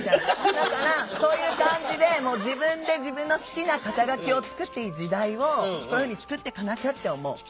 だからそういう感じで自分で自分の好きな肩書きを作っていい時代をこういうふうに作っていかなきゃって思う。